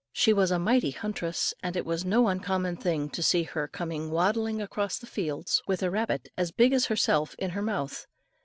She was a mighty huntress, and it was no uncommon thing, to see her coming waddling across the fields with a rabbit as big as herself in her mouth.